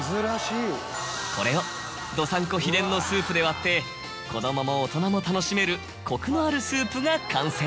これをどさん子秘伝のスープで割って子供も大人も楽しめるコクのあるスープが完成。